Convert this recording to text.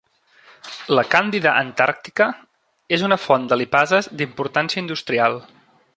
La "Candida antarctica" és una font de lipases d'importància industrial.